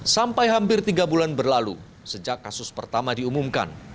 sampai hampir tiga bulan berlalu sejak kasus pertama diumumkan